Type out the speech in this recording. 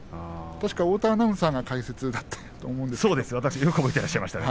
確か太田アナウンサーが解説だったと思いますが。